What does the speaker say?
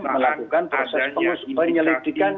melakukan proses penyelidikan